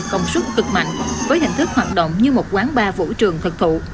thành công suất cực mạnh với hình thức hoạt động như một quán bar vũ trường thật thụ